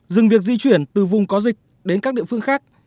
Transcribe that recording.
dừng việc di chuyển từ vùng có dịch đến các địa phương khác